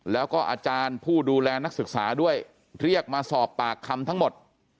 แล้วก็อาจารย์ผู้ดูแลนักศึกษาด้วยเรียกมาสอบปากคำทั้งหมด